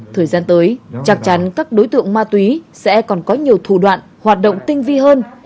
thời gian tới chắc chắn các đối tượng ma túy sẽ còn có nhiều thủ đoạn hoạt động tinh vi hơn